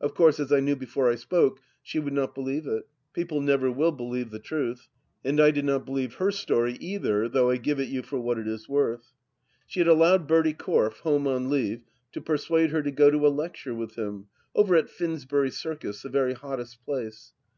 Of course, as I knew before I spoke, she would not believe it ; people never will believe the truth. ... And I did not believe her story either, though I give it you for what it is worth. She had allowed Bertie Corfe, home on leave, to persuade her to go to a lecture with him, over at Finsbury Circus, the very hottest place.